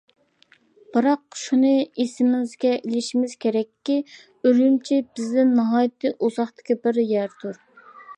بىراق شۇنى ئېسىمىزگە ئېلىشىمىز كېرەككى ئۈرۈمچى بىزدىن ناھايىتى ئۇزاقتىكى بىر يەردۇر.